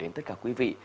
cảm ơn tất cả quý vị